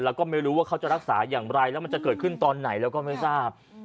แล้วก็ไม่รู้ว่าเขาจะรักษาอย่างไรแล้วมันจะเกิดขึ้นตอนไหนแล้วก็ไม่ทราบ